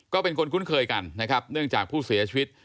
ก็เป็นคนคุ้นเคยกันนะครับเนื่องจากผู้เสียชีวิต